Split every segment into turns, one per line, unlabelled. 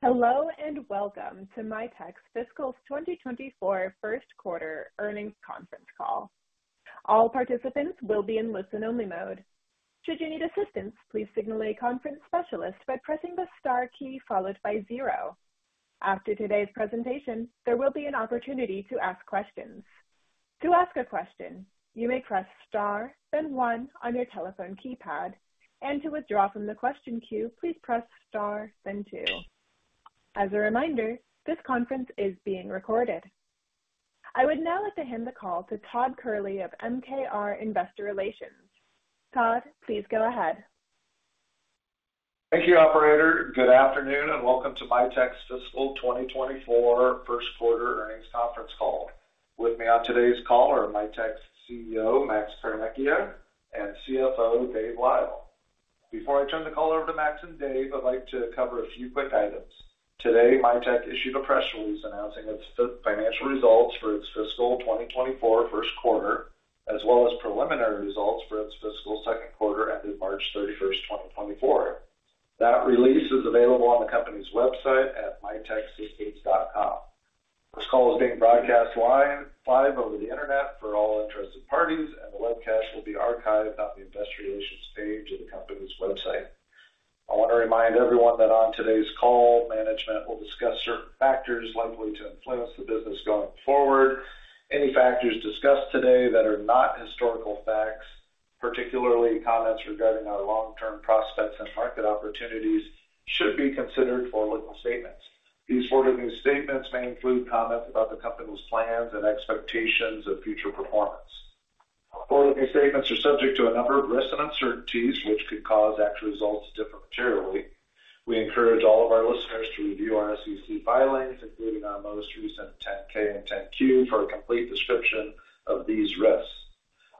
Hello and welcome to Mitek's FY 2024 First Quarter Earnings Conference Call. All participants will be in listen-only mode. Should you need assistance, please signal a conference specialist by pressing the star key followed by zero. After today's presentation, there will be an opportunity to ask questions. To ask a question, you may press star, then one on your telephone keypad, and to withdraw from the question queue, please press star, then two. As a reminder, this conference is being recorded. I would now like to hand the call to Todd Kehrli of MKR Investor Relations. Todd, please go ahead.
Thank you, operator. Good afternoon and welcome to Mitek's FY 2024 First Quarter Earnings Conference Call. With me on today's call are Mitek's CEO, Max Carnecchia, and CFO, Dave Lyle. Before I turn the call over to Max and Dave, I'd like to cover a few quick items. Today, Mitek issued a press release announcing its financial results for its FY 2024 first quarter, as well as preliminary results for its Fiscal second quarter ended March 31st, 2024. That release is available on the company's website at miteksystems.com. This call is being broadcast live over the internet for all interested parties, and the webcast will be archived on the Investor Relations page of the company's website. I want to remind everyone that on today's call, management will discuss certain factors likely to influence the business going forward. Any factors discussed today that are not historical facts, particularly comments regarding our long-term prospects and market opportunities, should be considered forward-looking statements. These forward-looking statements may include comments about the company's plans and expectations of future performance. Forward-looking statements are subject to a number of risks and uncertainties, which could cause actual results to differ materially. We encourage all of our listeners to review our SEC filings, including our most recent 10-K and 10-Q, for a complete description of these risks.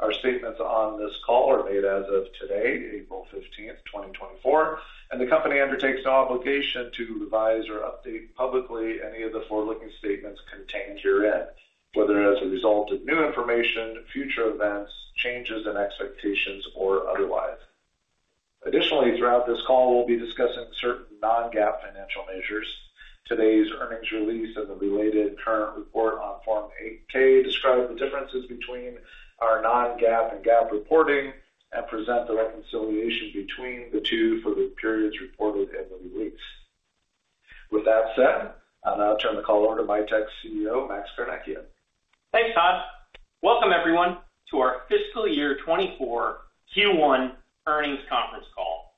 Our statements on this call are made as of today, April 15th, 2024, and the company undertakes no obligation to revise or update publicly any of the forward-looking statements contained herein, whether as a result of new information, future events, changes in expectations, or otherwise. Additionally, throughout this call, we'll be discussing certain non-GAAP financial measures. Today's earnings release and the related current report on Form 8-K describe the differences between our non-GAAP and GAAP reporting and present the reconciliation between the two for the periods reported in the release. With that said, I'll now turn the call over to Mitek's CEO, Max Carnecchia.
Thanks, Todd. Welcome, everyone, to our FY 2024 Q1 Earnings Conference Call.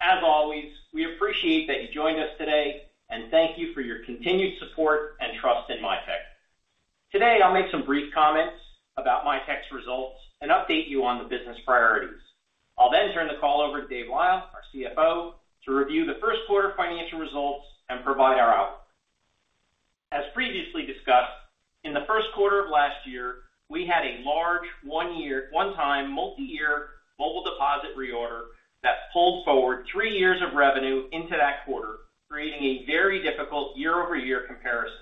As always, we appreciate that you joined us today, and thank you for your continued support and trust in Mitek. Today, I'll make some brief comments about Mitek's results and update you on the business priorities. I'll then turn the call over to Dave Lyle, our CFO, to review the first quarter financial results and provide our outlook. As previously discussed, in the first quarter of last year, we had a large one-time multi-year Mobile Deposit reorder that pulled forward three years of revenue into that quarter, creating a very difficult year-over-year comparison.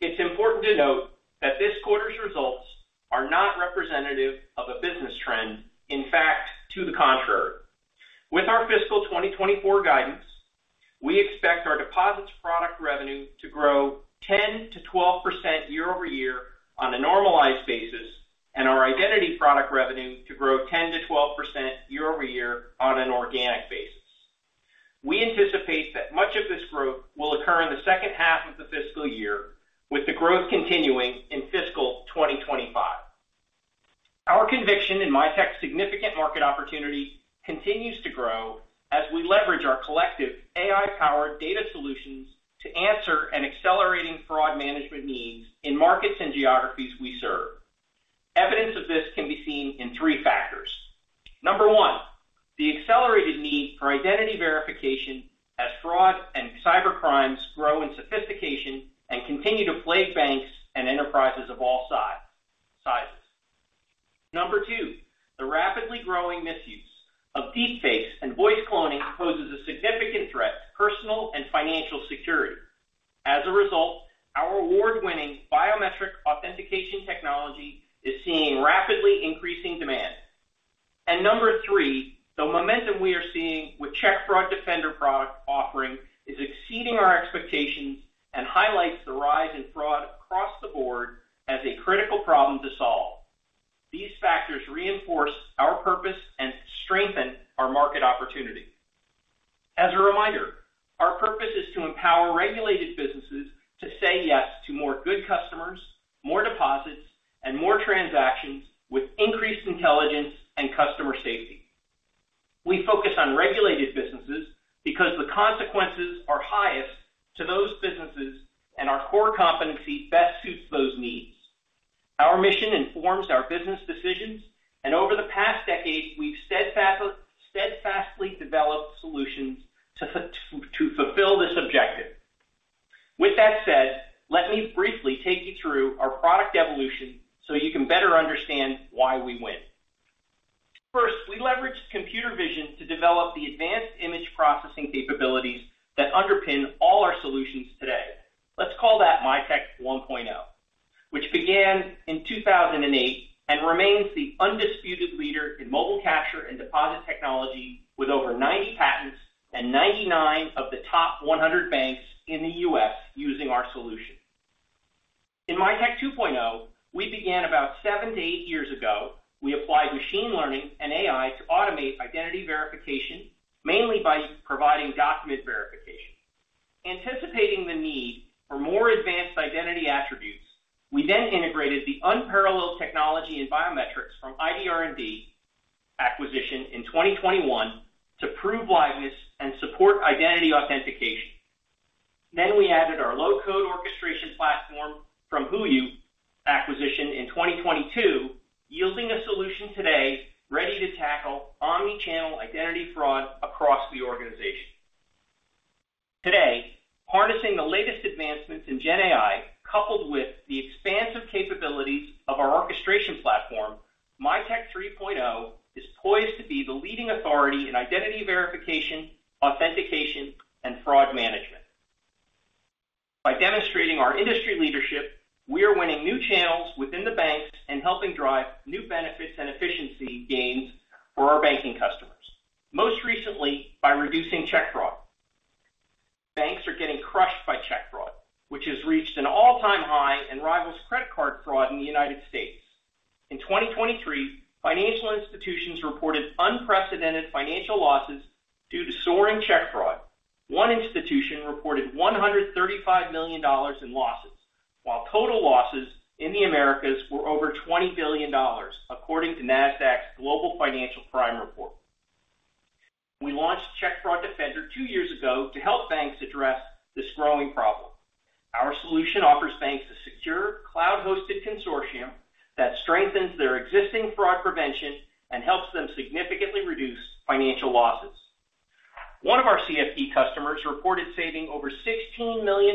It's important to note that this quarter's results are not representative of a business trend; in fact, to the contrary. With our FY 2024 guidance, we expect our deposits product revenue to grow 10%-12% year-over-year on a normalized basis, and our identity product revenue to grow 10%-12% year-over-year on an organic basis. We anticipate that much of this growth will occur in the second half of the fiscal year, with the growth continuing in FY 2025. Our conviction in Mitek's significant market opportunity continues to grow as we leverage our collective AI-powered data solutions to answer an accelerating fraud management need in markets and geographies we serve. Evidence of this can be seen in three factors. Number one, the accelerated need for identity verification as fraud and cybercrimes grow in sophistication and continue to plague banks and enterprises of all sizes. Number two, the rapidly growing misuse of deepfakes and voice cloning poses a significant threat to personal and financial security. As a result, our award-winning biometric authentication technology is seeing rapidly increasing demand. And number three, the momentum we are seeing with Check Fraud Defender product offering is exceeding our expectations and highlights the rise in fraud across the board as a critical problem to solve. These factors reinforce our purpose and strengthen our market opportunity. As a reminder, our purpose is to empower regulated businesses to say yes to more good customers, more deposits, and more transactions with increased intelligence and customer safety. We focus on regulated businesses because the consequences are highest to those businesses, and our core competency best suits those needs. Our mission informs our business decisions, and over the past decade, we've steadfastly developed solutions to fulfill this objective. With that said, let me briefly take you through our product evolution so you can better understand why we win. First, we leveraged computer vision to develop the advanced image processing capabilities that underpin all our solutions today. Let's call that Mitek 1.0, which began in 2008 and remains the undisputed leader in mobile capture and deposit technology with over 90 patents and 99 of the top 100 banks in the U.S. using our solution. In Mitek 2.0, we began about seven to eight years ago. We applied machine learning and AI to automate identity verification, mainly by providing document verification. Anticipating the need for more advanced identity attributes, we then integrated the unparalleled technology and biometrics from ID R&D acquisition in 2021 to prove liveness and support identity authentication. Then we added our low-code orchestration platform from HooYu acquisition in 2022, yielding a solution today ready to tackle omnichannel identity fraud across the organization. Today, harnessing the latest advancements in GenAI coupled with the expansive capabilities of our orchestration platform, Mitek 3.0 is poised to be the leading authority in identity verification, authentication, and fraud management. By demonstrating our industry leadership, we are winning new channels within the banks and helping drive new benefits and efficiency gains for our banking customers, most recently by reducing check fraud. Banks are getting crushed by check fraud, which has reached an all-time high and rivals credit card fraud in the United States. In 2023, financial institutions reported unprecedented financial losses due to soaring check fraud. One institution reported $135 million in losses, while total losses in the Americas were over $20 billion, according to Nasdaq's Global Financial Crime Report. We launched Check Fraud Defender two years ago to help banks address this growing problem. Our solution offers banks a secure cloud-hosted consortium that strengthens their existing fraud prevention and helps them significantly reduce financial losses. One of our CFD customers reported saving over $16 million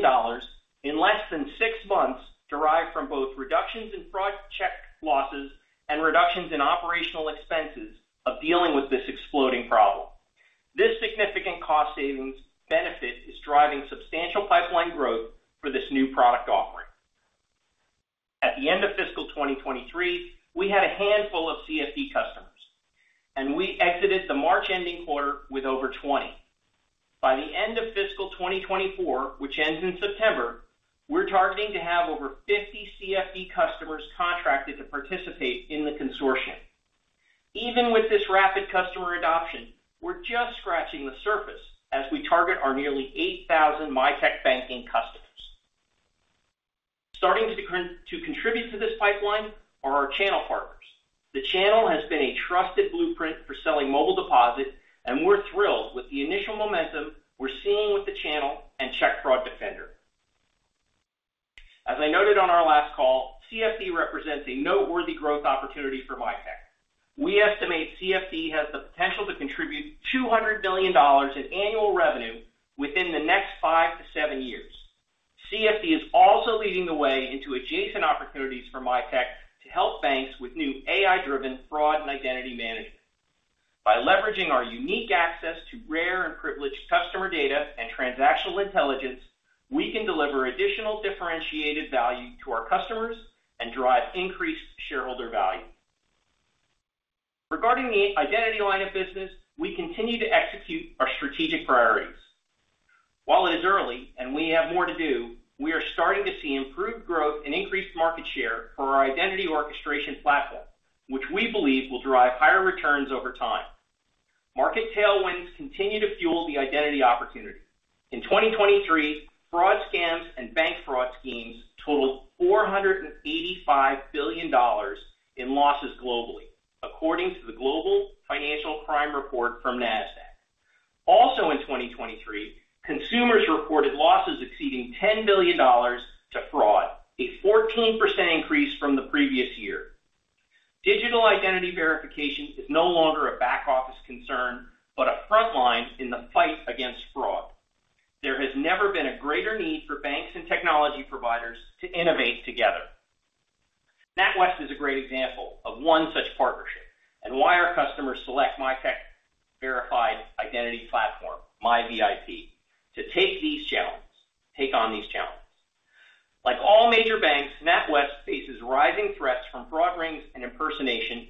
in less than six months derived from both reductions in fraud check losses and reductions in operational expenses of dealing with this exploding problem. This significant cost savings benefit is driving substantial pipeline growth for this new product offering. At the end of FY 2023, we had a handful of CFD customers, and we exited the March ending quarter with over 20. By the end of FY 2024, which ends in September, we're targeting to have over 50 CFD customers contracted to participate in the consortium. Even with this rapid customer adoption, we're just scratching the surface as we target our nearly 8,000 Mitek banking customers. Starting to contribute to this pipeline are our channel partners. The channel has been a trusted blueprint for selling mobile deposit, and we're thrilled with the initial momentum we're seeing with the channel and Check Fraud Defender. As I noted on our last call, CFD represents a noteworthy growth opportunity for Mitek. We estimate CFD has the potential to contribute $200 million in annual revenue within the next five to seven years. CFD is also leading the way into adjacent opportunities for Mitek to help banks with new AI-driven fraud and identity management. By leveraging our unique access to rare and privileged customer data and transactional intelligence, we can deliver additional differentiated value to our customers and drive increased shareholder value. Regarding the identity line of business, we continue to execute our strategic priorities. While it is early and we have more to do, we are starting to see improved growth and increased market share for our identity orchestration platform, which we believe will drive higher returns over time. Market tailwinds continue to fuel the identity opportunity. In 2023, fraud scams and bank fraud schemes totaled $485 billion in losses globally, according to the Global Financial Crime Report from Nasdaq. Also in 2023, consumers reported losses exceeding $10 billion to fraud, a 14% increase from the previous year. Digital identity verification is no longer a back-office concern but a frontline in the fight against fraud. There has never been a greater need for banks and technology providers to innovate together. NatWest is a great example of one such partnership and why our customers select Mitek Verified Identity Platform, MiVIP, to take on these challenges. Like all major banks, NatWest faces rising threats from fraud rings and impersonation,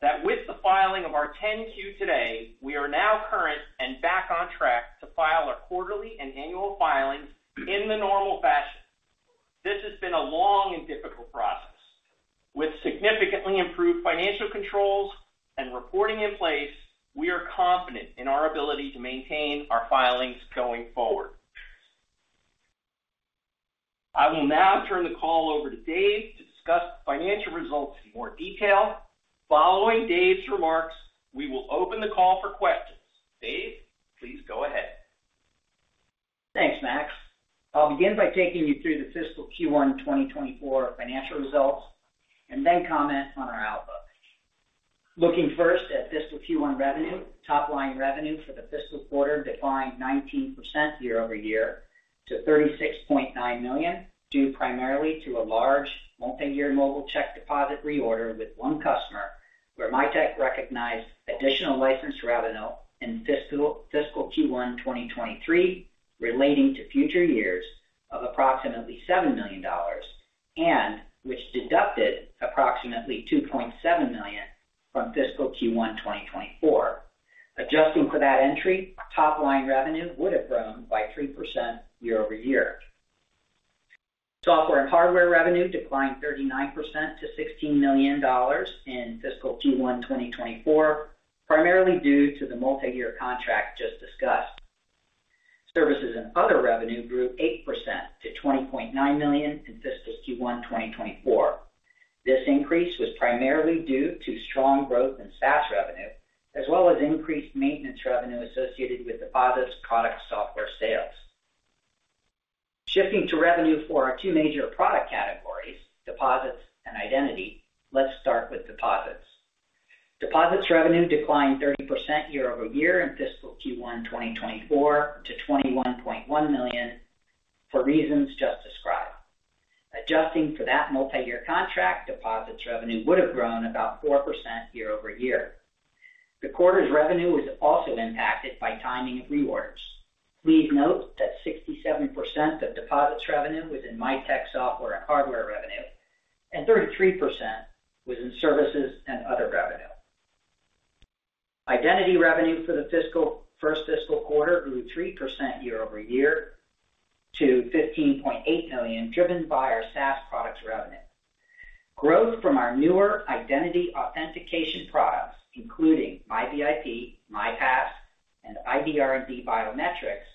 that with the filing of our 10-Q today, we are now current and back on track to file our quarterly and annual filings in the normal fashion. This has been a long and difficult process. With significantly improved financial controls and reporting in place, we are confident in our ability to maintain our filings going forward. I will now turn the call over to Dave to discuss financial results in more detail. Following Dave's remarks, we will open the call for questions. Dave, please go ahead.
Thanks, Max. I'll begin by taking you through the Fiscal Q1 2024 financial results and then comment on our outlook. Looking first at Fiscal Q1 revenue, top-line revenue for the fiscal quarter declined 19% year-over-year to $36.9 million, due primarily to a large multi-year mobile check deposit reorder with one customer where Mitek recognized additional license revenue in Fiscal Q1 2023 relating to future years of approximately $7 million, and which deducted approximately $2.7 million from Fiscal Q1 2024. Adjusting for that entry, top-line revenue would have grown by 3% year-over-year. Software and hardware revenue declined 39% to $16 million in Fiscal Q1 2024, primarily due to the multi-year contract just discussed. Services and other revenue grew 8% to $20.9 million in Fiscal Q1 2024. This increase was primarily due to strong growth in SaaS revenue, as well as increased maintenance revenue associated with deposits, products, software sales. Shifting to revenue for our two major product categories, deposits and identity, let's start with deposits. Deposits revenue declined 30% year-over-year in Fiscal Q1 2024 to $21.1 million for reasons just described. Adjusting for that multi-year contract, deposits revenue would have grown about 4% year-over-year. The quarter's revenue was also impacted by timing of reorders. Please note that 67% of deposits revenue was in Mitek software and hardware revenue, and 33% was in services and other revenue. Identity revenue for the first fiscal quarter grew 3% year-over-year to $15.8 million, driven by our SaaS products revenue. Growth from our newer identity authentication products, including MiVIP, MiPass, and ID R&D biometrics,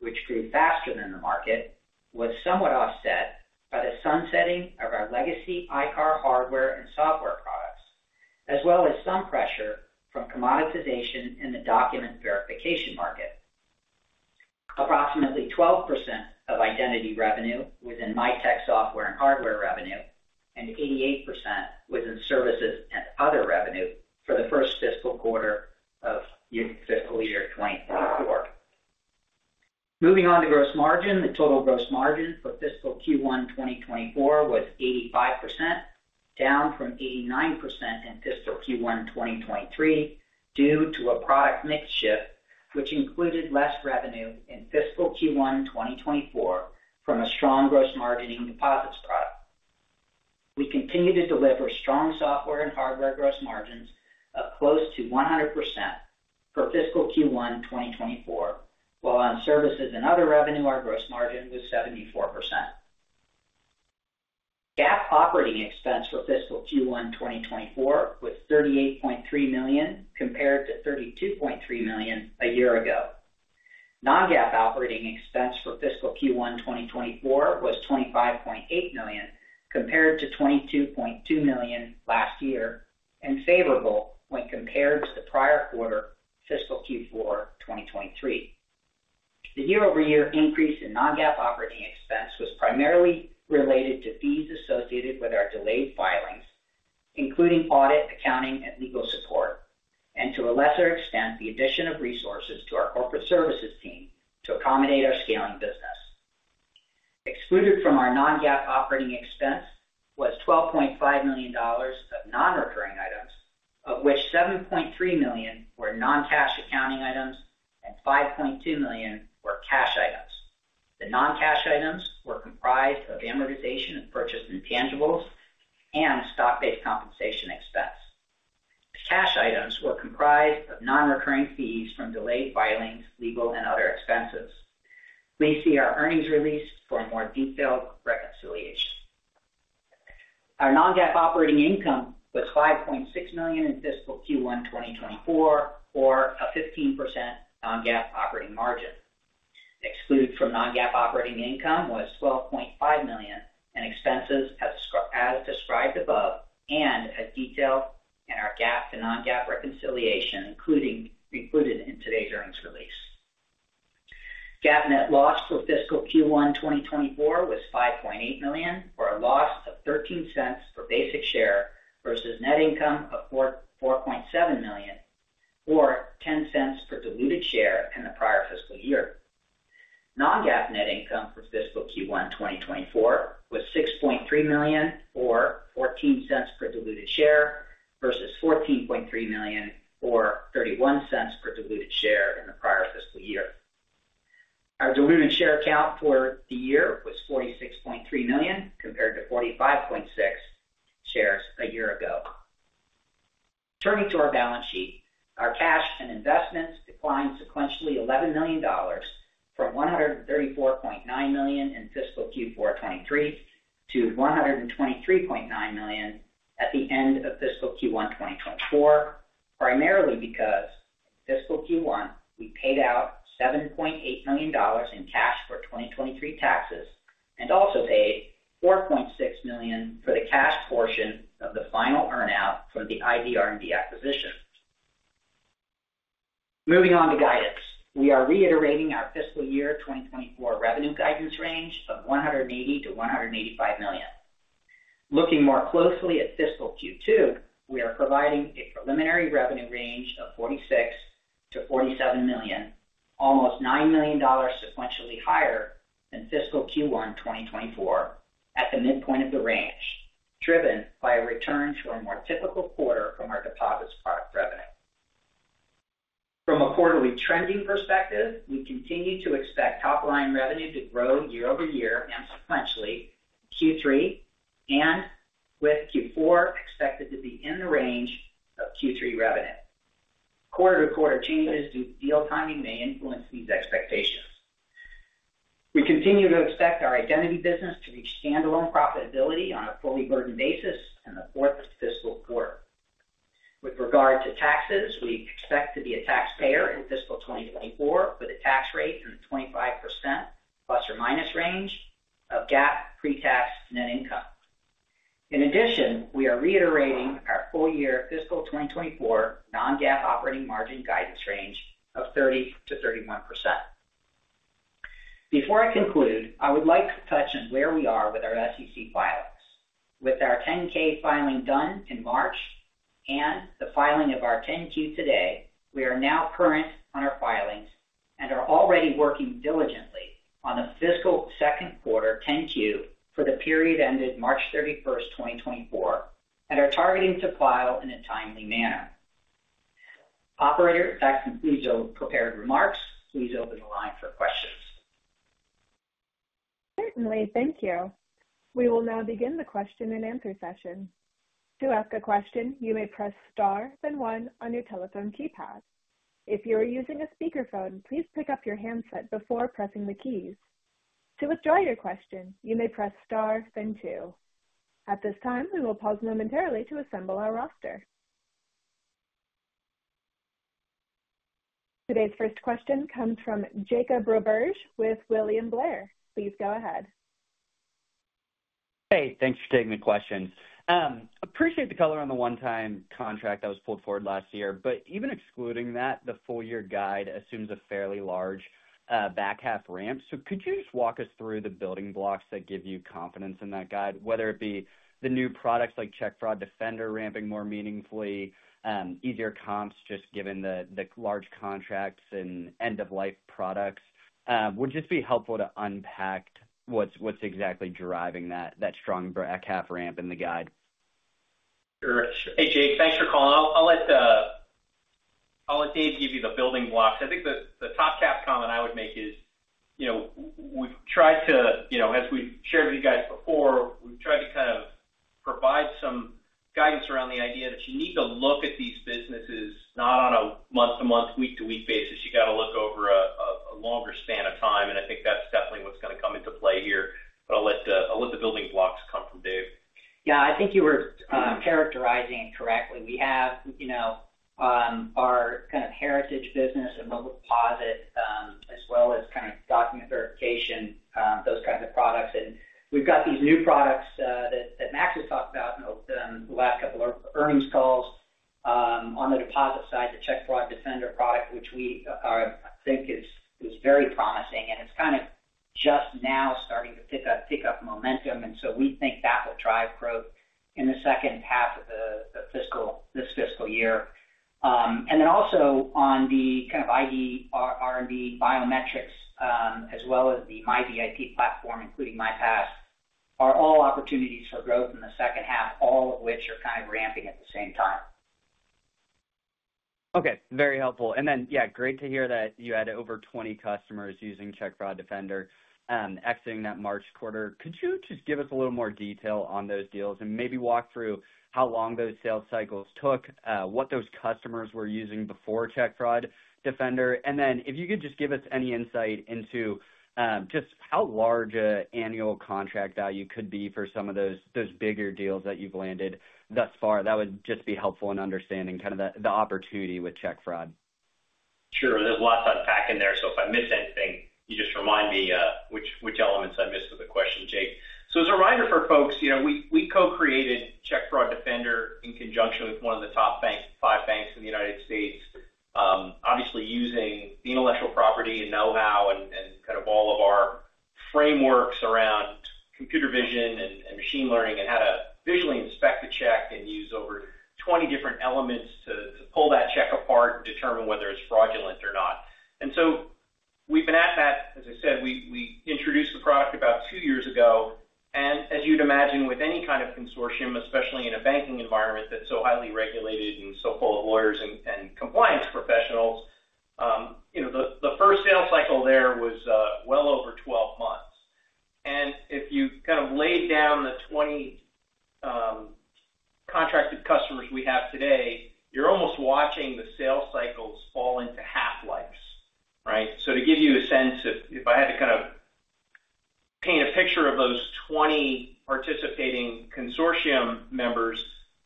which grew faster than the market, was somewhat offset by the sunsetting of our legacy ICAR hardware and software products, as well as some pressure from commoditization in the document verification market. Approximately 12% of identity revenue was in Mitek software and hardware revenue, and 88% was in services and other revenue for the first fiscal quarter of fiscal year 2024. Moving on to gross margin, the total gross margin for Fiscal Q1 2024 was 85%, down from 89% in Fiscal Q1 2023 due to a product mix shift, which included less revenue in Fiscal Q1 2024 from a strong gross margin Mobile Deposit product. We continue to deliver strong software and hardware gross margins of close to 100% for Fiscal Q1 2024, while on services and other revenue, our gross margin was 74%. GAAP operating expense for Fiscal Q1 2024 was $38.3 million compared to $32.3 million a year ago. Non-GAAP operating expense for Fiscal Q1 2024 was $25.8 million compared to $22.2 million last year and favorable when compared to the prior quarter, Fiscal Q4 2023. The year-over-year increase in non-GAAP operating expense was primarily related to fees associated with our delayed filings, including audit, accounting, and legal support, and to a lesser extent, the addition of resources to our corporate services team to accommodate our scaling business. Excluded from our non-GAAP operating expense was $12.5 million of non-recurring items, of which $7.3 million were non-cash accounting items and $5.2 million were cash items. The non-cash items were comprised of amortization of purchased intangibles and stock-based compensation expense. The cash items were comprised of non-recurring fees from delayed filings, legal, and other expenses. Please see our earnings release for more detailed reconciliation. Our non-GAAP operating income was $5.6 million in Fiscal Q1 2024, or a 15% non-GAAP operating margin. Excluded from non-GAAP operating income was $12.5 million and expenses as described above and as detailed in our GAAP to non-GAAP reconciliation, included in today's earnings release. GAAP net loss for Fiscal Q1 2024 was $5.8 million, or a loss of 13 cents per basic share versus net income of $4.7 million, or 10 cents per diluted share in the prior fiscal year. Non-GAAP net income for Fiscal Q1 2024 was $6.3 million, or 14 cents per diluted share versus $14.3 million, or 31 cents per diluted share in the prior fiscal year. Our diluted share count for the year was 46.3 million compared to 45.6 shares a year ago. Turning to our balance sheet, our cash and investments declined sequentially $11 million from $134.9 million in Fiscal Q4 2023 to $123.9 million at the end of Fiscal Q1 2024, primarily because in Fiscal Q1, we paid out $7.8 million in cash for 2023 taxes and also paid $4.6 million for the cash portion of the final earnout from the ID R&D acquisition. Moving on to guidance, we are reiterating our fiscal year 2024 revenue guidance range of $180 million-$185 million. Looking more closely at Fiscal Q2, we are providing a preliminary revenue range of $46 million-$47 million, almost $9 million sequentially higher than Fiscal Q1 2024 at the midpoint of the range, driven by a return to our more typical quarter from our deposits product revenue. From a quarterly trending perspective, we continue to expect top-line revenue to grow year-over-year and sequentially, Q3 and with Q4 expected to be in the range of Q3 revenue. Quarter-to-quarter changes due to deal timing may influence these expectations. We continue to expect our identity business to reach standalone profitability on a fully burdened basis in the fourth fiscal quarter. With regard to taxes, we expect to be a taxpayer in FY 2024 with a tax rate in the ±25% range of GAAP pre-tax net income. In addition, we are reiterating our full-year FY 2024 non-GAAP operating margin guidance range of 30%-31%. Before I conclude, I would like to touch on where we are with our SEC filings. With our 10-K filing done in March and the filing of our 10-Q today, we are now current on our filings and are already working diligently on the fiscal second quarter 10-Q for the period ended March 31st, 2024, and are targeting to file in a timely manner. Operator, that concludes our prepared remarks. Please open the line for questions.
Certainly. Thank you. We will now begin the question and answer session. To ask a question, you may press star, then one, on your telephone keypad. If you are using a speakerphone, please pick up your handset before pressing the keys. To withdraw your question, you may press star, then two. At this time, we will pause momentarily to assemble our roster. Today's first question comes from Jake Roberge with William Blair. Please go ahead.
Hey. Thanks for taking the questions. Appreciate the color on the one-time contract that was pulled forward last year. But even excluding that, the full-year guide assumes a fairly large back half ramp. So could you just walk us through the building blocks that give you confidence in that guide, whether it be the new products like Check Fraud Defender ramping more meaningfully, easier comps just given the large contracts and end-of-life products? Would just be helpful to unpack what's exactly driving that strong back half ramp in the guide.
Sure. Hey, Jake. Thanks for calling. I'll let Dave give you the building blocks. I think the top cap comment I would make is we've tried to as we've shared with you guys before, we've tried to kind of provide some guidance around the idea that you need to look at these businesses not on a month-to-month, week-to-week basis. You got to look over a longer span of time. And I think that's definitely what's going to come into play here. But I'll let the building blocks come from Dave.
Yeah. I think you were characterizing it correctly. We have our kind of heritage business of Mobile Deposit as well as kind of document verification, those kinds of products. And we've got these new products that Max has talked about the last couple of earnings calls on the deposit side, the Check Fraud Defender product, which we think is very promising. And it's kind of just now starting to pick up momentum. And so we think that will drive growth in the second half of this fiscal year. And then also on the kind of ID R&D biometrics as well as the MiVIP platform, including MiPASS, are all opportunities for growth in the second half, all of which are kind of ramping at the same time.
Okay. Very helpful. And then, yeah, great to hear that you had over 20 customers using Check Fraud Defender exiting that March quarter. Could you just give us a little more detail on those deals and maybe walk through how long those sales cycles took, what those customers were using before Check Fraud Defender? And then if you could just give us any insight into just how large an annual contract value could be for some of those bigger deals that you've landed thus far, that would just be helpful in understanding kind of the opportunity with Check Fraud.
Sure. There's lots I'd pack in there. So if I miss anything, you just remind me which elements I missed with the question, Jake. So as a reminder for folks, we co-created Check Fraud Defender in conjunction with one of the top five banks in the United States, obviously using the intellectual property and know-how and kind of all of our frameworks around computer vision and machine learning and how to visually inspect the check and use over 20 different elements to pull that check apart and determine whether it's fraudulent or not. And so we've been at that. As I said, we introduced the product about two years ago. And as you'd imagine, with any kind of consortium, especially in a banking environment that's so highly regulated and so full of lawyers and compliance professionals, the first sales cycle there was well over 12 months. If you kind of laid down the 20 contracted customers we have today, you're almost watching the sales cycles fall into half-lives, right? So to give you a sense, if I had to kind of paint a picture of those 20 participating consortium members,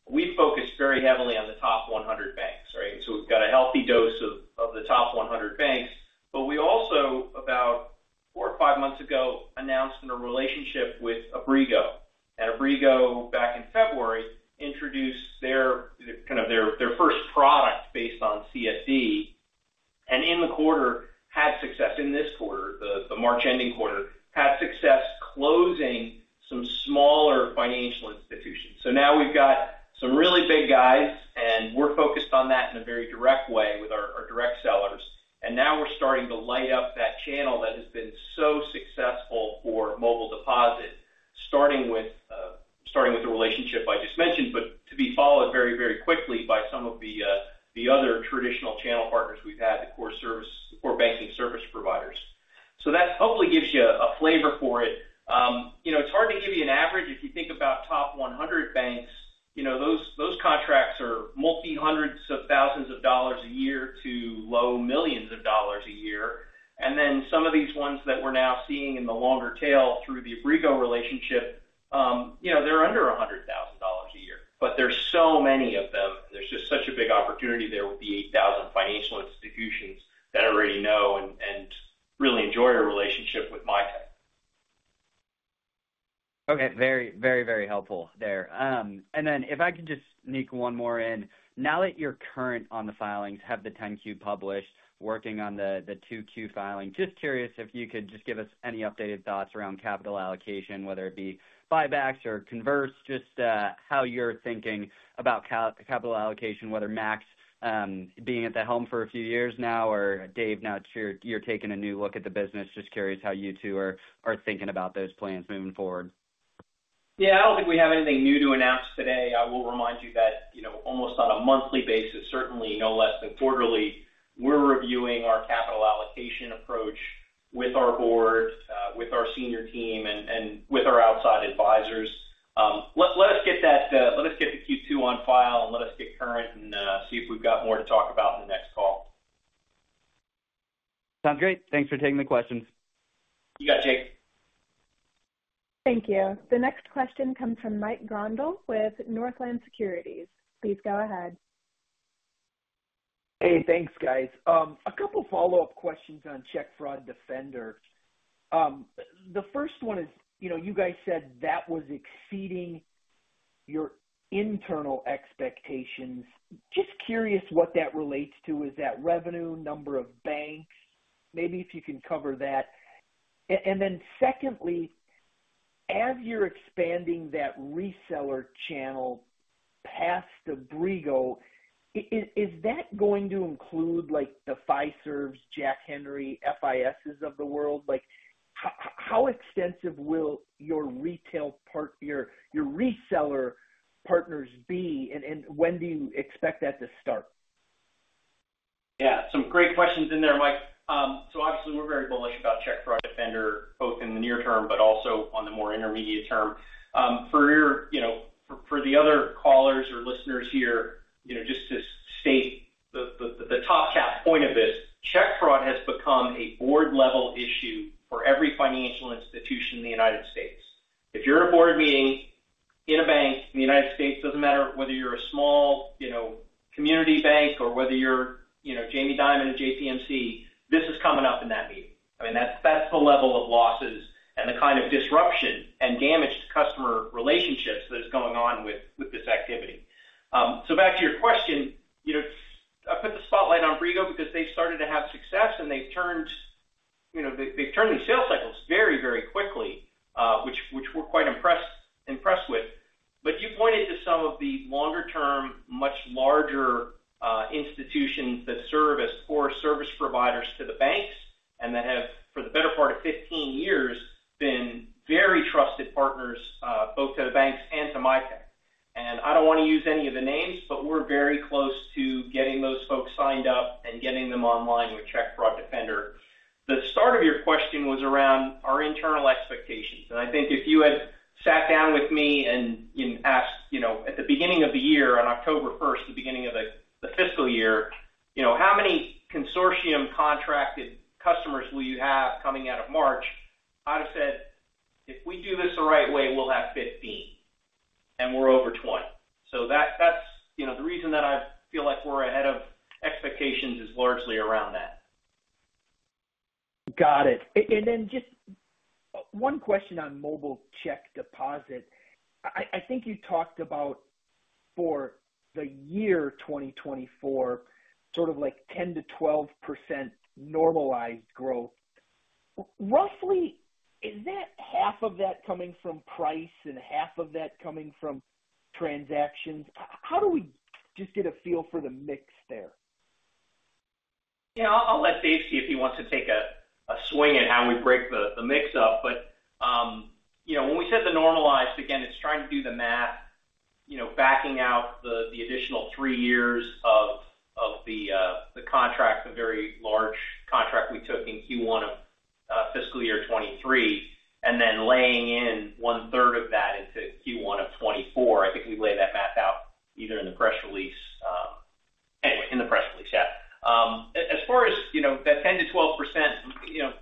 we focused very heavily on the top 100 banks, right? And so we've got a healthy dose of the top 100 banks. But we also, about four or five months ago, announced a relationship with Abrigo. And Abrigo, back in February, introduced kind of their first product based on CFD and in the quarter had success. In this quarter, the March ending quarter, had success closing some smaller financial institutions. So now we've got some really big guys, and we're focused on that in a very direct way with our direct sellers. Now we're starting to light up that channel that has been so successful for mobile deposit, starting with the relationship I just mentioned, but to be followed very, very quickly by some of the other traditional channel partners we've had, the core banking service providers. So that hopefully gives you a flavor for it. It's hard to give you an average. If you think about top 100 banks, those contracts are multi-hundreds of thousands of dollars a year to low millions of dollars a year. And then some of these ones that we're now seeing in the longer tail through the Abrigo relationship, they're under $100,000 a year. But there's so many of them, and there's just such a big opportunity there with the 8,000 financial institutions that already know and really enjoy a relationship with Mitek.
Okay. Very, very, very helpful there. Then if I can just sneak one more in, now that you're current on the filings, have the 10-Q published, working on the 2Q filing, just curious if you could just give us any updated thoughts around capital allocation, whether it be buybacks or converts, just how you're thinking about capital allocation, whether Max being at the helm for a few years now or Dave now that you're taking a new look at the business, just curious how you two are thinking about those plans moving forward?
Yeah. I don't think we have anything new to announce today. I will remind you that almost on a monthly basis, certainly no less than quarterly, we're reviewing our capital allocation approach with our board, with our senior team, and with our outside advisors. Let us get the Q2 on file and let us get current and see if we've got more to talk about in the next call.
Sounds great. Thanks for taking the questions.
You got it, Jake.
Thank you. The next question comes from Mike Grondahl with Northland Securities. Please go ahead.
Hey. Thanks, guys. A couple of follow-up questions on Check Fraud Defender. The first one is you guys said that was exceeding your internal expectations. Just curious what that relates to. Is that revenue, number of banks? Maybe if you can cover that. And then secondly, as you're expanding that reseller channel past Abrigo, is that going to include the Fiservs, Jack Henry, FISs of the world? How extensive will your reseller partners be, and when do you expect that to start?
Yeah. Some great questions in there, Mike. So obviously, we're very bullish about Check Fraud Defender both in the near term but also on the more intermediate term. For the other callers or listeners here, just to state the top-line point of this, Check Fraud has become a board-level issue for every financial institution in the United States. If you're in a board meeting in a bank in the United States, it doesn't matter whether you're a small community bank or whether you're Jamie Dimon at JPMC, this is coming up in that meeting. I mean, that's the level of losses and the kind of disruption and damage to customer relationships that is going on with this activity. So back to your question, I put the spotlight on Abrigo because they've started to have success, and they've turned these sales cycles very, very quickly, which we're quite impressed with. But you pointed to some of the longer-term, much larger institutions that serve as core service providers to the banks and that have, for the better part of 15 years, been very trusted partners both to the banks and to Mitek. And I don't want to use any of the names, but we're very close to getting those folks signed up and getting them online with Check Fraud Defender. The start of your question was around our internal expectations. I think if you had sat down with me and asked at the beginning of the year, on October 1st, the beginning of the fiscal year, how many consortium contracted customers will you have coming out of March? I'd have said, "If we do this the right way, we'll have 15, and we're over 20." The reason that I feel like we're ahead of expectations is largely around that.
Got it. Then just one question on mobile check deposit. I think you talked about for the year 2024, sort of like 10%-12% normalized growth. Roughly, is that half of that coming from price and half of that coming from transactions? How do we just get a feel for the mix there?
I'll let Dave see if he wants to take a swing at how we break the mix up. But when we said the normalized, again, it's trying to do the math, backing out the additional three years of the contract, the very large contract we took in Q1 of FY 2023, and then laying in one-third of that into Q1 of 2024. I think we laid that math out either in the press release anyway, in the press release, yeah. As far as that 10%-12%,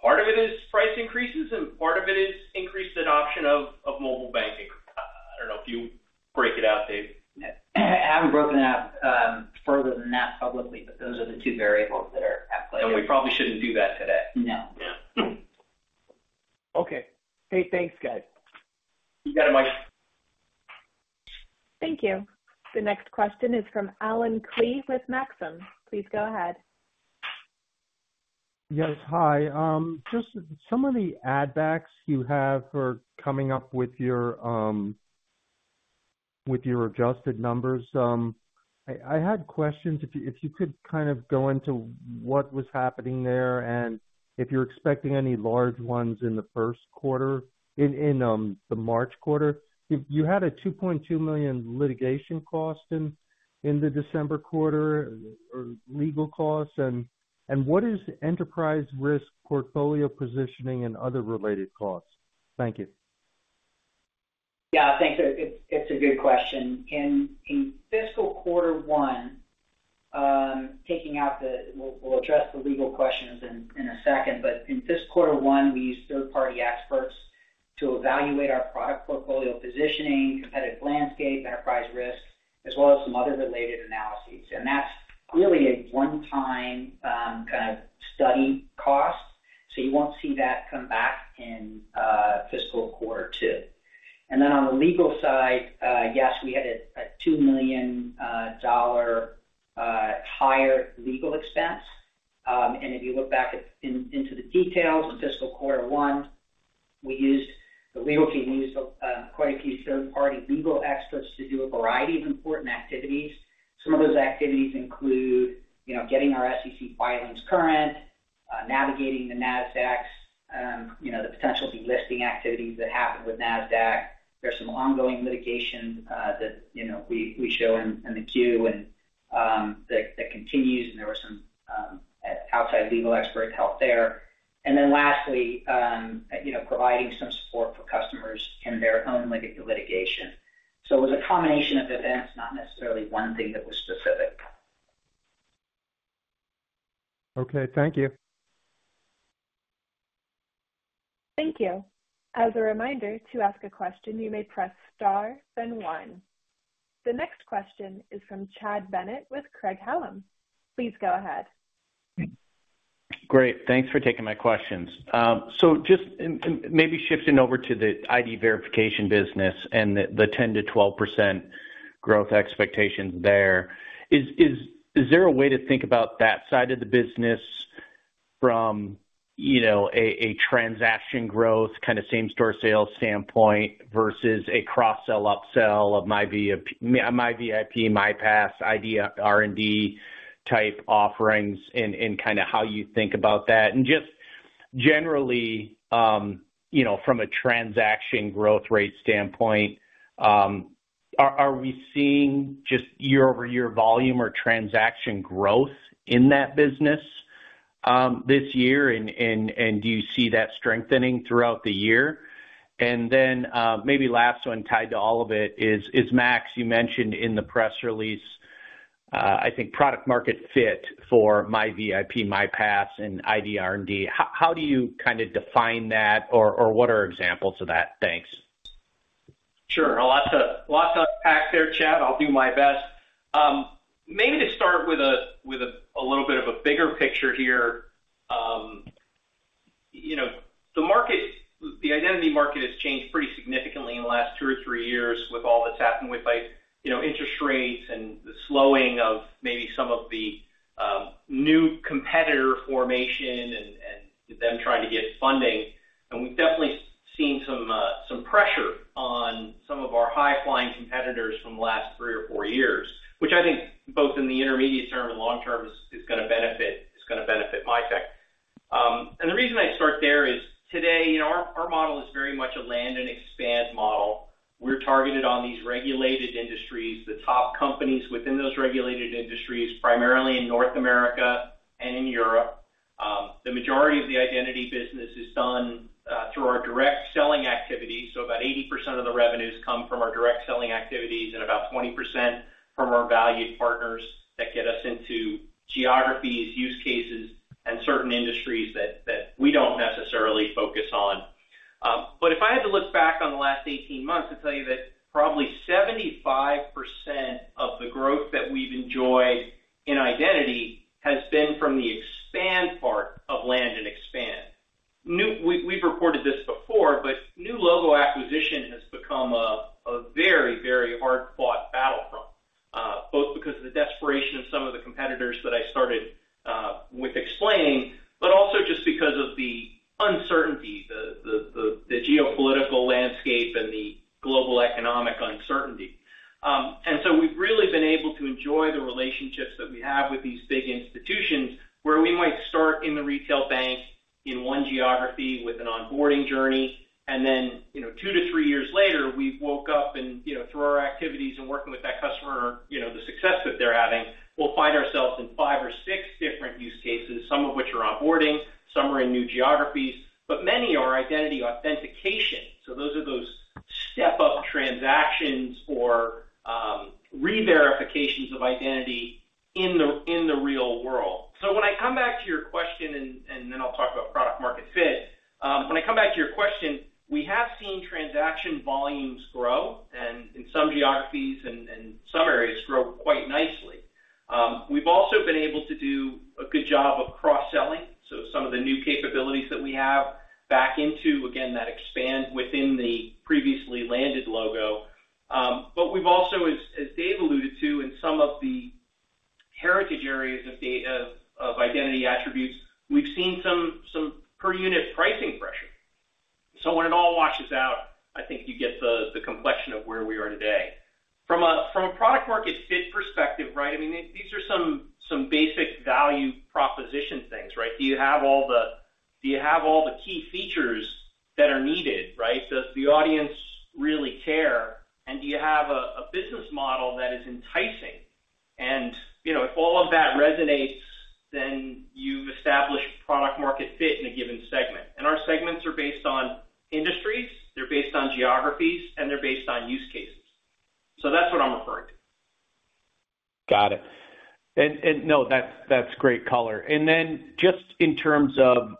part of it is price increases, and part of it is increased adoption of mobile banking. I don't know if you break it out, Dave.
I haven't broken it out further than that publicly, but those are the two variables that are at play.
We probably shouldn't do that today.
No.
Yeah.
Okay. Hey. Thanks, guys.
You got it, Mike. Thank you. The next question is from Allen Klee with Maxim. Please go ahead.
Yes. Hi. Just some of the add-backs you have for coming up with your adjusted numbers. I had questions. If you could kind of go into what was happening there and if you're expecting any large ones in the first quarter, in the March quarter. You had a $2.2 million litigation cost in the December quarter or legal costs. And what is enterprise risk, portfolio positioning, and other related costs? Thank you.
Yeah. Thanks. It's a good question. In fiscal quarter one, taking out the we'll address the legal questions in a second. But in fiscal quarter one, we use third-party experts to evaluate our product portfolio positioning, competitive landscape, enterprise risk, as well as some other related analyses. And that's really a one-time kind of study cost. So you won't see that come back in fiscal quarter two. And then on the legal side, yes, we had a $2 million higher legal expense. And if you look back into the details in fiscal quarter one, the legal team used quite a few third-party legal experts to do a variety of important activities. Some of those activities include getting our SEC filings current, navigating the NASDAQ's, the potential delisting activities that happen with NASDAQ. There's some ongoing litigation that we show in the Q and that continues. There were some outside legal experts helped there. Then lastly, providing some support for customers in their own litigation. It was a combination of events, not necessarily one thing that was specific.
Okay. Thank you.
Thank you. As a reminder, to ask a question, you may press star, then one. The next question is from Chad Bennett with Craig-Hallum. Please go ahead.
Great. Thanks for taking my questions. So just maybe shifting over to the ID verification business and the 10%-12% growth expectations there, is there a way to think about that side of the business from a transaction growth, kind of same-store sales standpoint, versus a cross-sell, upsell of MiVIP, MiPass, ID R&D type offerings in kind of how you think about that? And just generally, from a transaction growth rate standpoint, are we seeing just year-over-year volume or transaction growth in that business this year? And do you see that strengthening throughout the year? And then maybe last one tied to all of it is, Max, you mentioned in the press release, I think, product-market fit for MiVIP, MiPass, and ID R&D. How do you kind of define that, or what are examples of that? Thanks.
Sure. Lots to unpack there, Chad. I'll do my best. Maybe to start with a little bit of a bigger picture here, the identity market has changed pretty significantly in the last two or three years with all that's happened with interest rates and the slowing of maybe some of the new competitor formation and them trying to get funding. And we've definitely seen some pressure on some of our high-flying competitors from the last three or four years, which I think both in the intermediate term and long term is going to benefit Mitek. And the reason I start there is today, our model is very much a land-and-expand model. We're targeted on these regulated industries, the top companies within those regulated industries, primarily in North America and in Europe. The majority of the identity business is done through our direct selling activities. So about 80% of the revenues come from our direct selling activities and about 20% from our valued partners that get us into geographies, use cases, and certain industries that we don't necessarily focus on. But if I had to look back on the last 18 months, I'd tell you that probably 75% of the growth that we've enjoyed in identity has been from the expand part of land-and-expand. We've reported this before, but new logo acquisition has become a very, very hard-fought battlefront, both because of the desperation of some of the competitors that I started with explaining, but also just because of the uncertainty, the geopolitical landscape, and the global economic uncertainty. And so we've really been able to enjoy the relationships that we have with these big institutions where we might start in the retail bank in one geography with an onboarding journey. Then two to three years later, we woke up and through our activities and working with that customer or the success that they're having, we'll find ourselves in five or six different use cases, some of which are onboarding, some are in new geographies. But many are identity authentication. So those are those step-up transactions or re-verifications of identity in the real world. So when I come back to your question and then I'll talk about product-market fit. When I come back to your question, we have seen transaction volumes grow and in some geographies and some areas grow quite nicely. We've also been able to do a good job of cross-selling. So some of the new capabilities that we have back into, again, that expand within the previously landed logo. But we've also, as Dave alluded to, in some of the heritage areas of identity attributes, we've seen some per-unit pricing pressure. So when it all washes out, I think you get the complexion of where we are today. From a product-market fit perspective, right, I mean, these are some basic value proposition things, right? Do you have all the key features that are needed, right? Does the audience really care? And do you have a business model that is enticing? And if all of that resonates, then you've established product-market fit in a given segment. And our segments are based on industries. They're based on geographies, and they're based on use cases. So that's what I'm referring to.
Got it. No, that's great color. Then just in terms of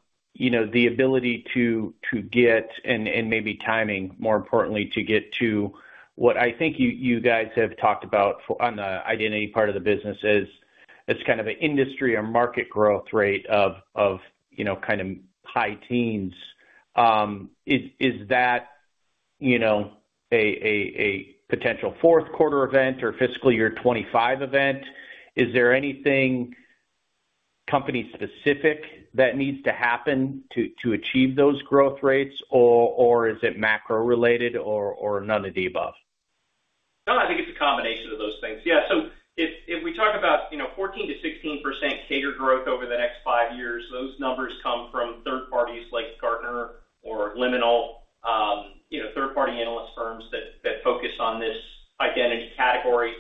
the ability to get and maybe timing, more importantly, to get to what I think you guys have talked about on the identity part of the business as kind of an industry or market growth rate of kind of high teens, is that a potential fourth-quarter event or fiscal year 2025 event? Is there anything company-specific that needs to happen to achieve those growth rates, or is it macro-related or none of the above?
No, I think it's a combination of those things. Yeah. So if we talk about 14%-16% CAGR growth over the next five years, those numbers come from third parties like Gartner or Liminal, third-party analyst firms that focus on this identity category.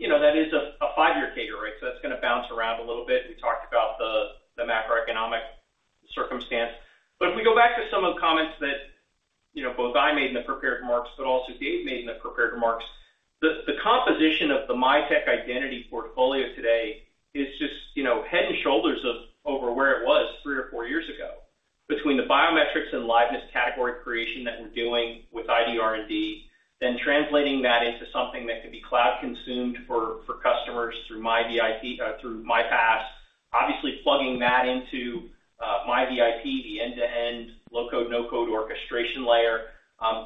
That is a five-year CAGR, right? So that's going to bounce around a little bit. We talked about the macroeconomic circumstance. But if we go back to some of the comments that both I made in the prepared remarks but also Dave made in the prepared remarks, the composition of the Mitek identity portfolio today is just head and shoulders over where it was three or four years ago between the biometrics and liveness category creation that we're doing with ID R&D, then translating that into something that can be cloud-consumed for customers through MiVIP through MiPass, obviously plugging that into MiVIP, the end-to-end low-code, no-code orchestration layer.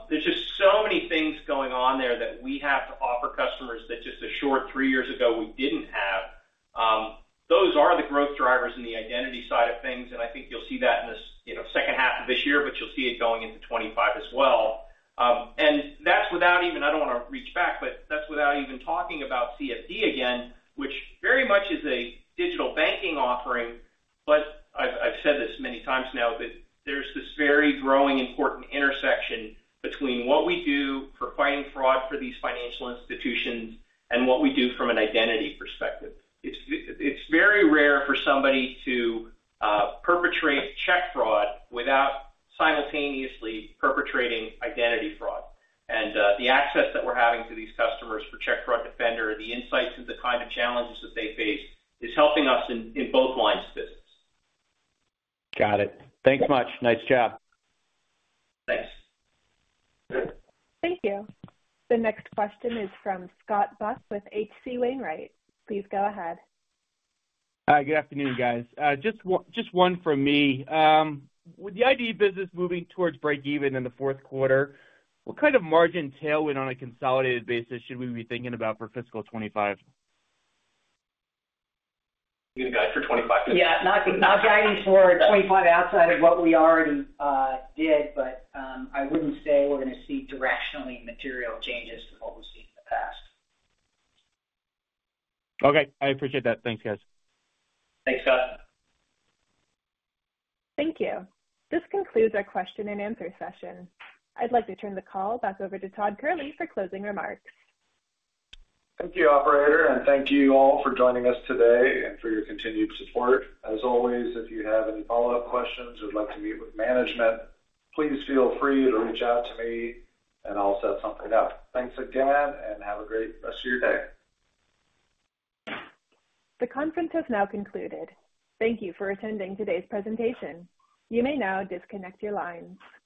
There's just so many things going on there that we have to offer customers that just a short three years ago, we didn't have. Those are the growth drivers in the identity side of things. And I think you'll see that in the second half of this year, but you'll see it going into 2025 as well. And that's without even—I don't want to reach back, but that's without even talking about CFD again, which very much is a digital banking offering. But I've said this many times now, but there's this very growing, important intersection between what we do for fighting fraud for these financial institutions and what we do from an identity perspective. It's very rare for somebody to perpetrate check fraud without simultaneously perpetrating identity fraud. And the access that we're having to these customers for Check Fraud Defender, the insights into the kind of challenges that they face, is helping us in both lines of business.
Got it. Thanks much. Nice job.
Thanks.
Thank you. The next question is from Scott Buck with H.C. Wainwright. Please go ahead.
Good afternoon, guys. Just one from me. With the ID business moving towards break-even in the fourth quarter, what kind of margin tailwind on a consolidated basis should we be thinking about for FY 2025?
You mean guide for 2025?
Yeah. Not guiding toward 2025 outside of what we already did, but I wouldn't say we're going to see directionally material changes to what we've seen in the past.
Okay. I appreciate that. Thanks, guys.
Thanks, Scott.
Thank you. This concludes our question-and-answer session. I'd like to turn the call back over to Todd Kehrli for closing remarks.
Thank you, operator. Thank you all for joining us today and for your continued support. As always, if you have any follow-up questions or would like to meet with management, please feel free to reach out to me, and I'll set something up. Thanks again, and have a great rest of your day.
The conference has now concluded. Thank you for attending today's presentation. You may now disconnect your lines.